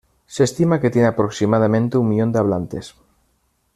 Se estima que tiene aproximadamente un millón de hablantes.